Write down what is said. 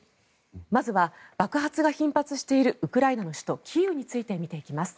まずは爆発が頻発しているウクライナの首都キーウについて見ていきます。